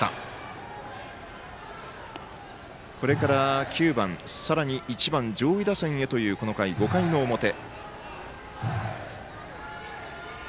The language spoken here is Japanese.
これから、９番、さらに１番上位打線へというこの回、５回の表。